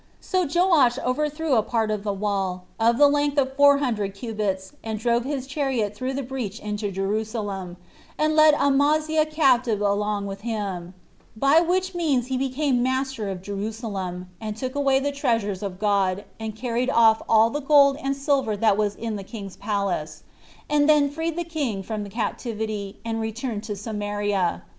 So Joash over threw a part of the wall, of the length of four hundred cubits, and drove his chariot through the breach into Jerusalem, and led Amaziah captive along with him; by which means he became master of Jerusalem, and took away the treasures of God, and carried off all the gold and silver that was in the king's palace, and then freed the king from captivity, and returned to Samaria.